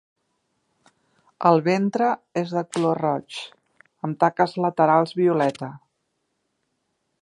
El ventre és de color roig, amb taques laterals violeta.